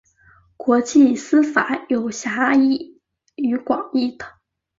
国际私法有狭义与广义的。